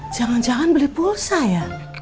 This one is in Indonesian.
jangan jangan beli pulsa ya